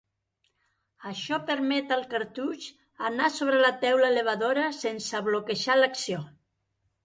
Això permet al cartutx anar sobre la teula elevadora sense bloquejar l'acció.